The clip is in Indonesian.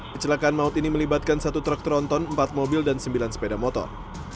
kecelakaan maut ini melibatkan satu truk tronton empat mobil dan sembilan sepeda motor